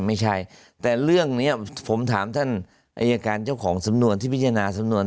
ไม่ใช่แต่เรื่องนี้ผมถามท่านอายการเจ้าของสำนวนที่พิจารณาสำนวน